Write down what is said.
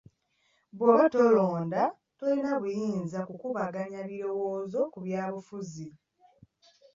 Bw'oba tolonda tolina buyinza kukubaganya birowoozo ku byabufuzi.